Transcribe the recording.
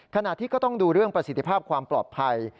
ขณะที่ก็ต้องดูเรื่องประสิทธิภาพความปลอดภัย